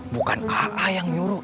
bukan aa yang nyuruh